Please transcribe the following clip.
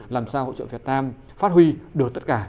làm sao hỗ trợ việt nam phát huy được tất cả